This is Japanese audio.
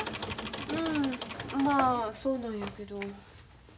うんまあそうなんやけど。